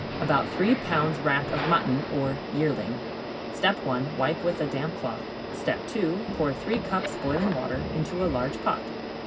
About 3 pounds rack of mutton or "yearling." 1. Wipe with a damp cloth. 2. Pour 3 cups boiling water into a large pot.